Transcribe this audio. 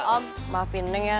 om maafin neng ya